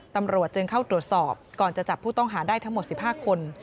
ตำรวจจึงเข้าตรวจสอบก่อนจะจับผู้ต้องหาได้ทั้งหมด๑๕คน